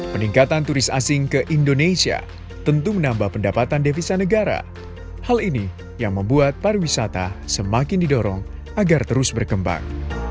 peningkatan turis asing ke indonesia tentu menambah pendapatan devisa negara hal ini yang membuat pariwisata semakin didorong agar terus berkembang